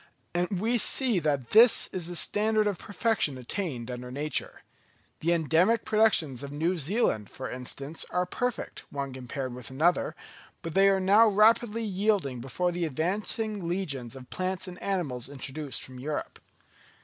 And we see that this is the standard of perfection attained under nature. The endemic productions of New Zealand, for instance, are perfect, one compared with another; but they are now rapidly yielding before the advancing legions of plants and animals introduced from Europe.